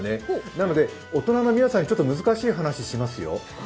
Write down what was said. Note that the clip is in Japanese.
なので、大人の皆さんにちょっと難しい話しますよ。